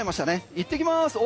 行ってきます。